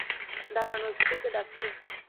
দাঁড়ান, ওই ফকিরকে ডাকছি।